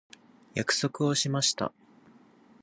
約束をしました。